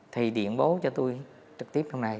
thì điện bố cho tôi trực tiếp trong này